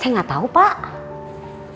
saya mesti jawab apaan coba